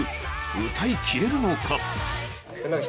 歌いきれるのか？